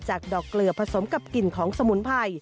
ดอกเกลือผสมกับกลิ่นของสมุนไพร